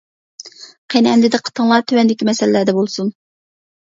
قېنى ئەمدى دىققىتىڭلار تۆۋەندىكى مەسەللەردە بولسۇن.